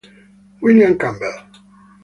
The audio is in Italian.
William Campbell